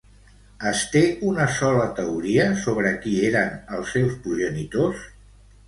Es té una sola teoria sobre qui eren els seus progenitors?